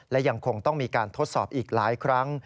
และยังคงต้องมีการทดสอบอีกหลายครั้ง